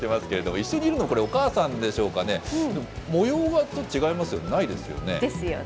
一緒にいるの、これお母さんですかね、模様が違いますよね、ないですよね。ですよね。